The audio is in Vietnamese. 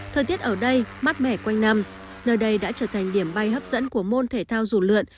thời tiết ở đây mát mẻ quanh năm nơi đây đã trở thành điểm bay hấp dẫn của môn thể thao dù lượn